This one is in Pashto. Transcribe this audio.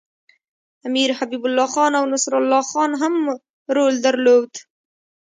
امیر حبیب الله خان او نصرالله خان هم رول درلود.